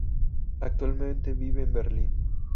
Actualmente vive en Berlín.